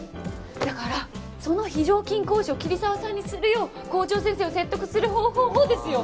だからその非常勤講師を桐沢さんにするよう校長先生を説得する方法をですよ！